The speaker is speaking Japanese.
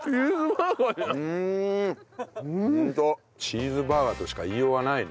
チーズバーガーとしか言いようがない。